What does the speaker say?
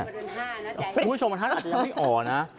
หามถึงถามที่นี้นะ